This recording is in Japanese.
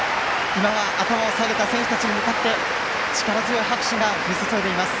今は、頭を下げた選手たちに向かって力強い拍手が降り注いでいます。